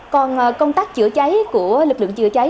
còn công tác chữa cháy của lực lượng chữa cháy